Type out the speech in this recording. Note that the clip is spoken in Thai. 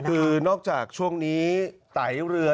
คือนอกจากช่วงนี้ไตเรือ